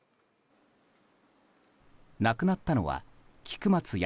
亡くなったのは菊松安